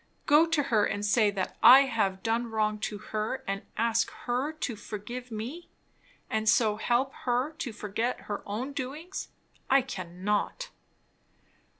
Go to her and say that I have done wrong to her and ask her to forgive me, and so help her to forget her own doings I cannot.